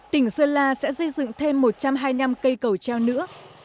tỉnh sơn la sẽ xây dựng thêm một trăm hai mươi năm cây cầu treo nữa